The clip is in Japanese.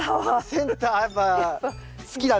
センターやっぱ好きだね。